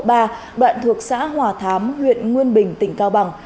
đoạn thuộc xã hòa thám huyện nguyên bình tỉnh cao bằng